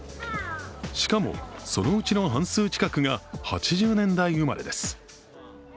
しかも、そのうちの半数近くが８０年代生まれです。